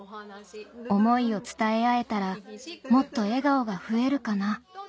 「思いを伝え合えたらもっと笑顔が増えるかな」